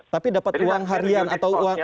tapi dapat uang harian atau uang